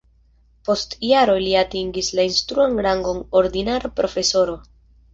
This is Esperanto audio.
Post jaroj li atingis la instruan rangon ordinara profesoro.